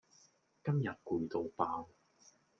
今日攰到爆